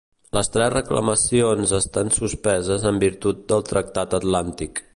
Les tres reclamacions estan suspeses en virtut del Tractat Antàrtic.